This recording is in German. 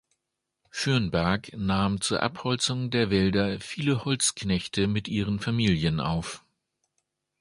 Fürnberg nahm zur Abholzung der Wälder viele Holzknechte mit ihren Familien auf.